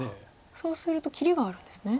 そうすると切りがあるんですね。